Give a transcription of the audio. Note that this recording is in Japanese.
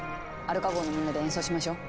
アルカ号のみんなで演奏しましょう。